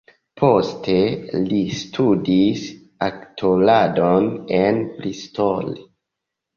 Poste li studis aktoradon en Bristol.